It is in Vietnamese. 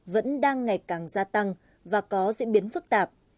vẫn đang ngày càng gia tăng và có diễn biến phức tạp